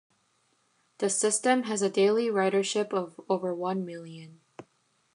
The system has a daily ridership of over one million.